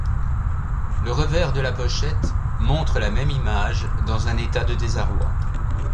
Le revers de la pochette montre la même image dans un état de désarroi.